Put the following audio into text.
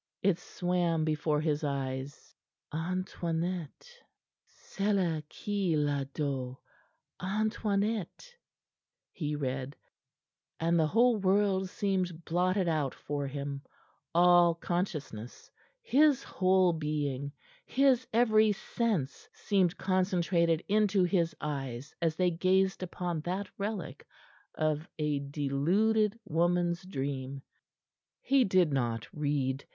It swam before his eyes ANTOINETTE "Celle qui l'adore, Antoinette," he read, and the whole world seemed blotted out for him; all consciousness, his whole being, his every sense, seemed concentrated into his eyes as they gazed upon that relic of a deluded woman's dream. He did not read.